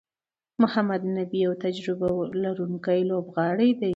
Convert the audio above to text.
محمد نبي یو تجربه لرونکی لوبغاړی دئ.